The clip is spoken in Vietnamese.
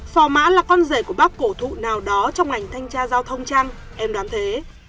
phỏ má là con rể của bác cổ thụ nào đó trong ngành thanh tra giao thông chăng em đoán thế